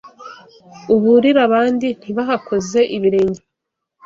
uburire abandi ntibahakoze ibirenge